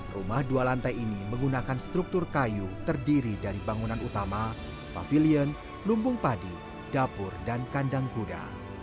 rumah dua lantai ini menggunakan struktur kayu terdiri dari bangunan utama pavilion lumbung padi dapur dan kandang kuda